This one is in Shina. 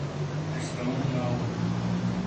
اش چوووں لاؤ ہُوں